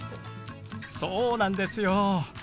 そうなんですよ！